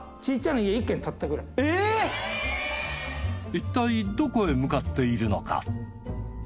いったいどこへ向かっているのか？